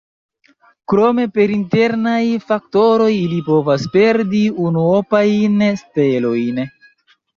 Krome per internaj faktoroj ili povas perdi unuopajn stelojn.